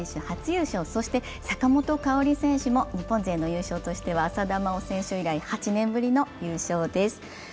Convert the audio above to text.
初優勝、そして坂本花織選手も日本勢の優勝としては浅田真央選手以来８年ぶりの優勝です。